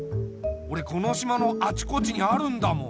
おれこの島のあちこちにあるんだもん。